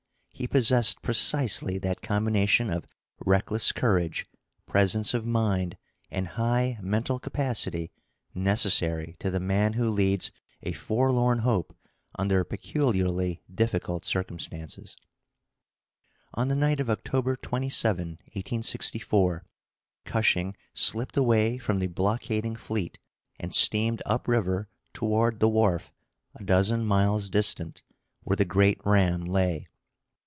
He possessed precisely that combination of reckless courage, presence of mind, and high mental capacity necessary to the man who leads a forlorn hope under peculiarly difficult circumstances. On the night of October 27, 1864, Cushing slipped away from the blockading fleet, and steamed up river toward the wharf, a dozen miles distant, where the great ram lay.